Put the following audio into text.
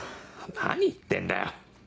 何言ってんだよ。